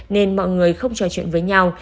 nên mọi người không trò chuyện với nhau